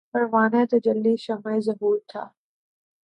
پروانۂ تجلی شمع ظہور تھا